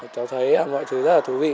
cháu thấy mọi thứ rất là thú vị